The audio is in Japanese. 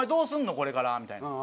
これから」みたいな。